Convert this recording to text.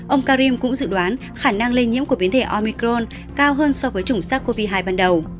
ông karim cũng dự đoán khả năng lây nhiễm của biến thể omicron cao hơn so với chủng sắc covid một mươi chín ban đầu